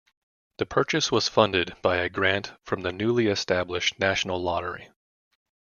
The purchase was funded by a grant from the newly established National Lottery.